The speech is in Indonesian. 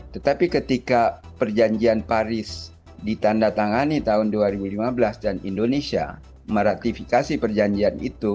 tetapi ketika perjanjian paris ditanda tangani tahun dua ribu lima belas dan indonesia meratifikasi perjanjian itu